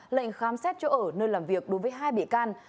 lệnh khám xét chỗ ở nơi làm việc đối với hai bị can